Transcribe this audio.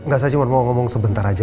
gak saya cuma mau ngomong sebentar aja